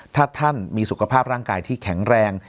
ถ้าท่านมีสุขภาพร่างกายที่แข็งแรง